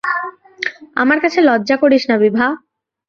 আমার কাছে লজ্জা করিস না বিভা।